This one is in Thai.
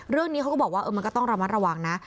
เรื่องนี้เขาก็บอกว่ามันก็ต้องระมัดระวังนะ